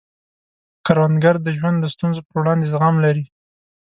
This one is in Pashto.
کروندګر د ژوند د ستونزو پر وړاندې زغم لري